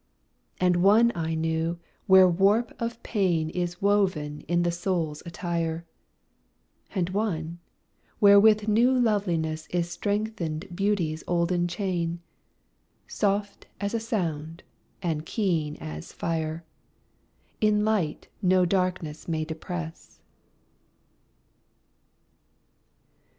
And one I knew, where warp of pain Is woven in the soul's attire; And one, where with new loveliness Is strengthened Beauty's olden chain Soft as a sound, and keen as fire In light no darkness may depress.